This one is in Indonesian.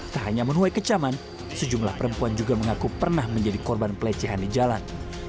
tak hanya menuai kecaman sejumlah perempuan juga mengaku pernah menjadi korban pelecehan di jalan